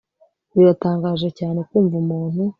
biratangaje cyane kumva umuntu